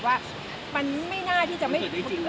ว่ามันไม่น่าที่จะไม่พูด